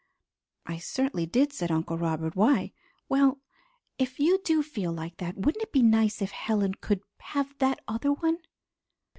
"I certainly did," said Uncle Robert. "Why?" "Well, if you do feel like that, wouldn't it be nice if Helen could have that other one?"